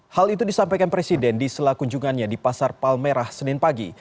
hal itu disampaikan presiden di sela kunjungannya di pasar palmerah senin pagi